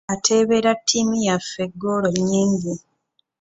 Ateebera ttiimu yaffe goolo nyingi.